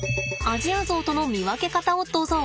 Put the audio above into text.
アジアゾウとの見分け方をどうぞ。